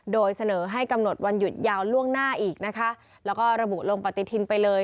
โดยเสนอให้กำหนดวันหยุดยาวล่วงหน้าอีกนะคะแล้วก็ระบุลงปฏิทินไปเลย